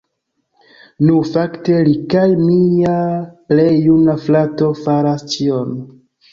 Nu, fakte li kaj mia plej juna frato faras ĉion